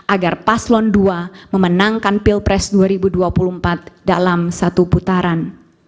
agar paslon dua memenangkan pilpres dua ribu dua puluh empat dalam satu putaran